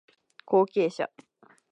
後継者